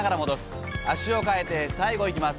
足を替えて最後いきます。